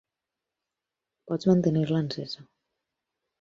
Pots mantenir-la encesa.